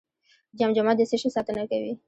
جمجمه د څه شي ساتنه کوي؟